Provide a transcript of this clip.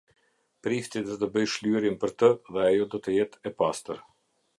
Prifti do të bëjë shlyerjen për të, dhe ajo do të jetë e pastër".